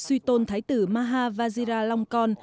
suy tôn thái tử mahavajiralongkorn